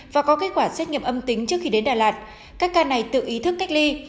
và có kết quả xét nghiệm âm tính trước khi đến đà lạt các ca này tự ý thức cách ly